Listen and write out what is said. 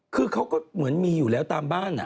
คือเขาก็เหมือนมีอยู่แล้วตามบ้าน